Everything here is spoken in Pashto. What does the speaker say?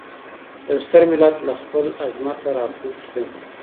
يو ستر ملت له خپل عظمته راکوز سو.